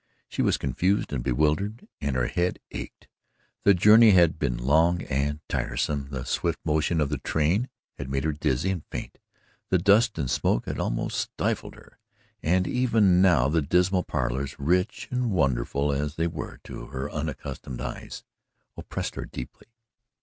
She was confused and bewildered and her head ached. The journey had been long and tiresome. The swift motion of the train had made her dizzy and faint. The dust and smoke had almost stifled her, and even now the dismal parlours, rich and wonderful as they were to her unaccustomed eyes, oppressed her deeply.